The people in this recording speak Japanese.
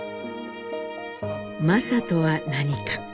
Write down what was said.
「柾」とは何か？